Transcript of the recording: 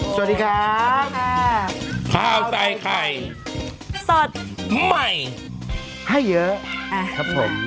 สวัสดีครับข้าวใส่ไข่สดใหม่ให้เยอะครับผม